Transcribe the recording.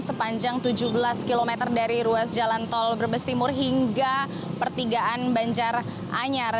sepanjang tujuh belas km dari ruas jalan tol brebes timur hingga pertigaan banjar anyar